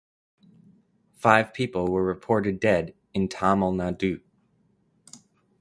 Five people were reported dead in Tamil Nadu.